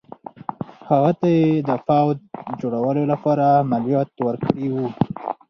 هغه ته یې د پوځ جوړولو لپاره مالیات ورکړي وو.